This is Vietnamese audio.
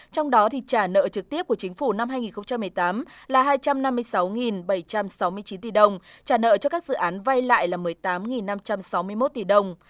trong đó trả nợ trực tiếp của chính phủ năm hai nghìn một mươi tám là hai trăm năm mươi sáu bảy trăm sáu mươi chín tỷ đồng trả nợ cho các dự án vay lại là một mươi tám năm trăm sáu mươi một tỷ đồng